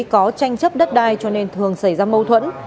có tranh chấp đất đai cho nên thường xảy ra mâu thuẫn